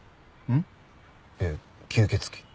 ん？いや吸血鬼。